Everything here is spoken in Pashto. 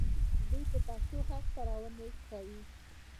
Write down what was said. دوی په پښتو هم خپرونې کوي.